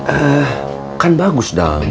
eh kan bagus dam